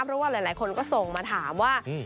เพราะว่าหลายคนก็ส่งมาถามว่า